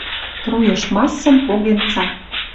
Труйыш массым поген цат.